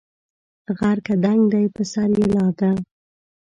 غر که دنګ دی په سر یې لار ده